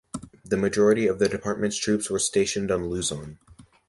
The majority of the department's troops were stationed on Luzon.